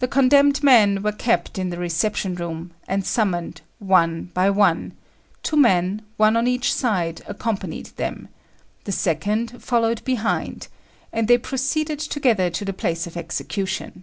The condemned men were kept in the reception room, and summoned, one by one; two men, one on each side, accompanied them; the second, followed behind; and they proceeded together to the place of execution.